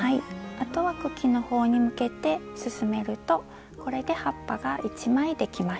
あとは茎の方に向けて進めるとこれで葉っぱが１枚できました。